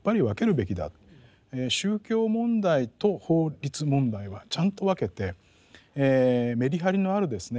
宗教問題と法律問題はちゃんと分けてメリハリのあるですね